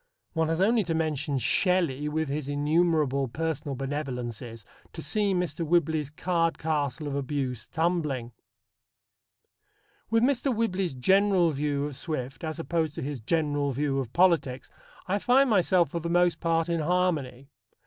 One has only to mention Shelley with his innumerable personal benevolences to set Mr. Whibley's card castle of abuse tumbling. With Mr. Whibley's general view of Swift as opposed to his general view of politics, I find myself for the most part in harmony.